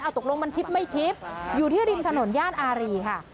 ตกลงมันทิพย์ไม่ทิพย์อยู่ที่ริมถนนย่านอารีค่ะ